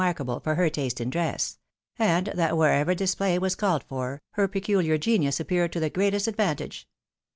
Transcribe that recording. arkable for her taste in dress ; and that wherever display was called for, her pecuhar genius appeared to the greatest ad vantage.